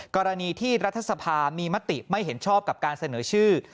กรณีที่รัฐสภามีมติไม่เห็นชอบกับการเสนอชื่อ